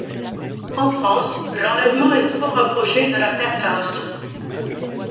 En France, l'enlèvement est souvent rapproché de l'affaire Claustre.